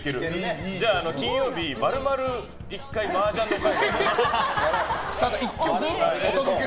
じゃあ、金曜日は丸々マージャンの回を。